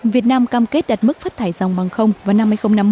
việt nam cam kết đặt mức phát thải dòng băng không vào năm hai nghìn năm mươi